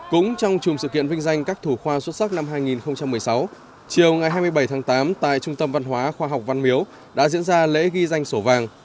cũng trong chùm sự kiện vinh danh các thủ khoa xuất sắc năm hai nghìn một mươi sáu chiều ngày hai mươi bảy tháng tám tại trung tâm văn hóa khoa học văn miếu đã diễn ra lễ ghi danh sổ vàng